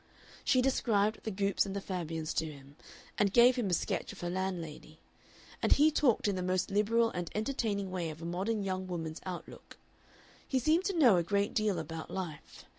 She described the Goopes and the Fabians to him, and gave him a sketch of her landlady; and he talked in the most liberal and entertaining way of a modern young woman's outlook. He seemed to know a great deal about life.